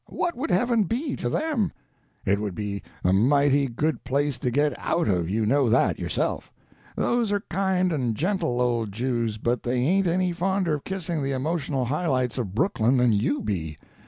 What would heaven be, to them? It would be a mighty good place to get out of—you know that, yourself. Those are kind and gentle old Jews, but they ain't any fonder of kissing the emotional highlights of Brooklyn than you be.